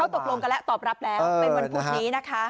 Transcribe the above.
ตกลงกันแล้วตอบรับแล้วเป็นวันพุธนี้นะคะ